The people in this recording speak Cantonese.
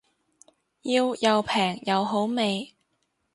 要又平又好味